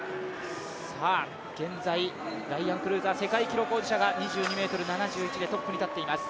現在、ライアン・クルーザー、世界記録保持者が２２ｍ７１でトップに立っています。